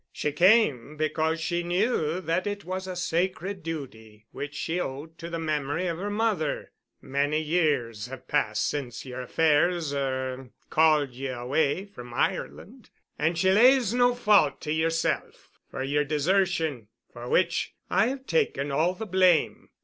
She came because she knew that it was a sacred duty which she owed to the memory of her mother. Many years have passed since yer affairs—er—called ye away from Ireland and she lays no fault to yerself for yer desertion, for which I have taken all the blame.